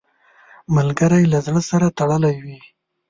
ملګری له زړه سره تړلی وي